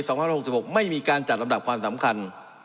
สองพันห้าร้อยหกสิบหกไม่มีการจัดลำดับความสำคัญ